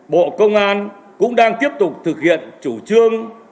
bộ công an cũng đang tiếp tục thực hiện chủ trương